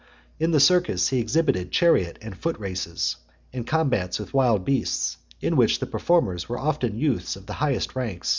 In the circus he exhibited chariot and foot races, and combats with wild beasts, in which the performers were often youths of the highest rank.